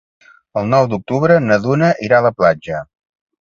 El nou d'octubre na Duna irà a la platja.